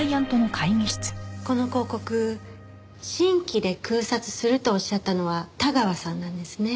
この広告新規で空撮するとおっしゃったのは田川さんなんですね。